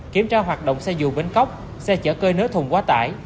kiểm tra hoạt động xe dù bến cóc xe chở cơi nới thùng quá tải